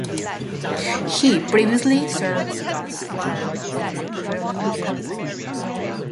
He previously served as chairman of a petroleum company.